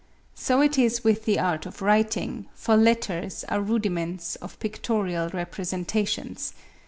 So it is with the art of writing, for letters are rudiments of pictorial representations.